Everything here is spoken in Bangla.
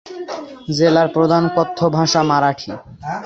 জেলার প্রধান কথ্য ভাষা মারাঠি।